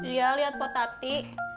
iya liat potati